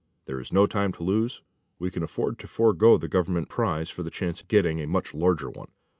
There is no time to lose. We can afford to forego the Government prize for the chance of getting a much larger one.